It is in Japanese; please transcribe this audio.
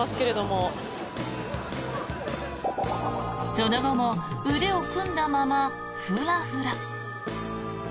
その後も腕を組んだままフラフラ。